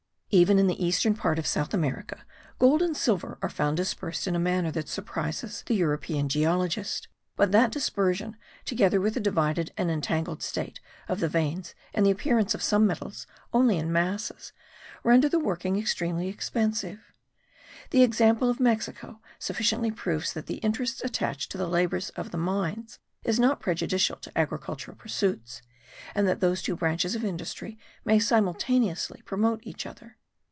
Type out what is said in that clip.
Even in the eastern part of South America gold and silver are found dispersed in a manner that surprises the European geologist; but that dispersion, together with the divided and entangled state of the veins and the appearance of some metals only in masses, render the working extremely expensive. The example of Mexico sufficiently proves that the interest attached to the labours of the mines is not prejudicial to agricultural pursuits, and that those two branches of industry may simultaneously promote each other.